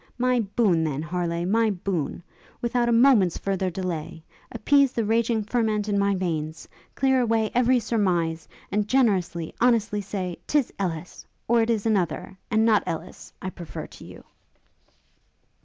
My boon, then, Harleigh, my boon! without a moment's further delay! Appease the raging ferment in my veins; clear away every surmize; and generously, honestly say 'tis Ellis! or it is another, and not Ellis, I prefer to you!'